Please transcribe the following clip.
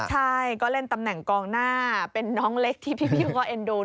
ใช่ก็เล่นตำแหน่งกองหน้าเป็นน้องเล็กที่พี่เขาก็เอ็นดู